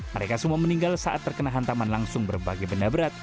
mereka semua meninggal saat terkena hantaman langsung berbagai benda berat